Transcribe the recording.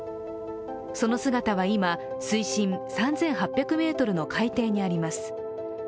その姿は今、水深３８００ｍの海底にあります。